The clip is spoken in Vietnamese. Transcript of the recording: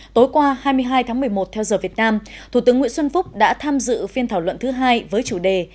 tối qua hai mươi hai tháng một mươi một theo giờ việt nam thủ tướng nguyễn xuân phúc đã tham dự phiên thảo luận thứ hai với chủ đề